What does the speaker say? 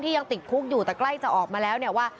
ที่ยังติดคุกอยู่แต่ใกล้จะออกมาแล้ว